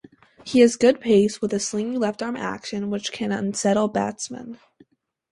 He has good pace, with a slingy left-arm action, which can unsettle batsmen.